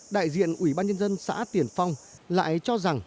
đại diện ủy ban nhân dân xã tiền phong lại cho rằng